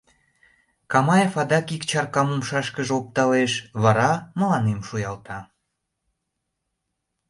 Камаев адак ик чаркам умшашкыже опталеш, вара мыланем шуялта.